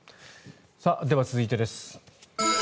では、続いてです。